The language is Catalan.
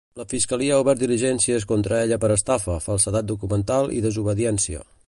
La fiscalia ha obert diligències contra ella per estafa, falsedat documental i desobediència.